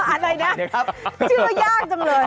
อะไรนะชื่อยากจังเลย